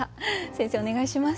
先生お願いします。